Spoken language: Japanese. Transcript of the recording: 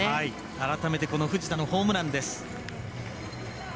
改めて藤田のホームランです。